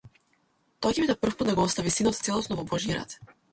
Тоа ќе биде првпат да го остави синот целосно во божји раце.